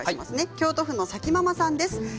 京都府の方です。